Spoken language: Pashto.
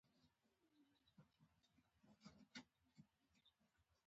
هر کال خلک د احمد شاه بابا مقبرې ته درناوی کوي.